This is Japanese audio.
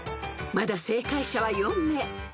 ［まだ正解者は４名］